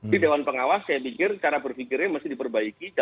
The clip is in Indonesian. di dewan pengawas saya pikir cara berpikirnya mesti diperbaiki